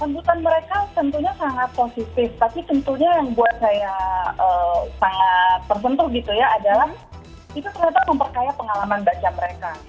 pendutra mereka tentunya sangat positif tapi mana yang saya perkenutkan adalah artinyaidal memperkaya pengalaman baca mereka